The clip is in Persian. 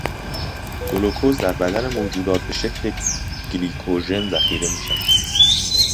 گلوکز در بدن موجودات به شکل گلیکوژن ذخیره می شود.